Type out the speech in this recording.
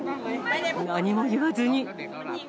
何も言わずに。